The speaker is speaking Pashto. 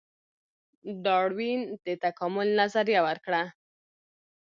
ډاروین د تکامل نظریه ورکړه